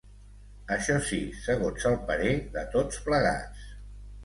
Això si, segons el parer de tots plegats